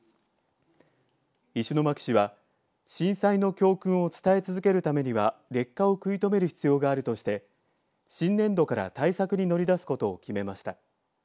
石巻市は震災の教訓を伝え続けるためには劣化を食い止める必要があるとして新年度から対策に乗り出すことを決めました。